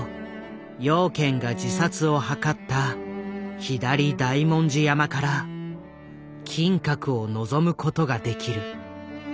養賢が自殺を図った左大文字山から金閣を望むことができる。